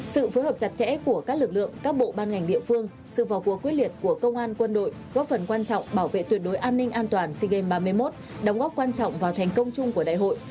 sự phối hợp chặt chẽ của các lực lượng các bộ ban ngành địa phương sự vào cuộc quyết liệt của công an quân đội góp phần quan trọng bảo vệ tuyệt đối an ninh an toàn sea games ba mươi một đóng góp quan trọng vào thành công chung của đại hội